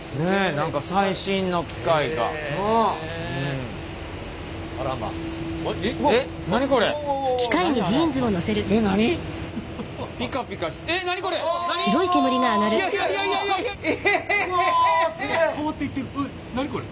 何これ！